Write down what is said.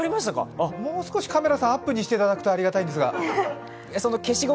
もう少しカメラさん、アップにしていただくとありがたいんですが。